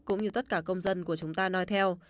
cũng như tất cả công dân của chúng ta nói theo